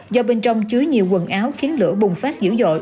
do bên trong chứa nhiều quần áo khiến lửa bùng phát dữ dội